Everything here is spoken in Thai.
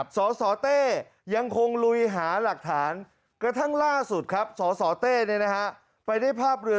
สสเต้ยังคงลุยหาหลักฐานกระทั่งล่าสุดครับสสเต้ไปได้ภาพเรือ